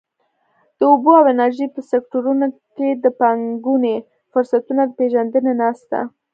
د اوبو او انرژۍ په سکټورونو کې د پانګونې فرصتونو د پېژندنې ناسته.